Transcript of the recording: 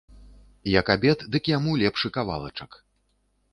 Як абед, дык яму лепшы кавалачак.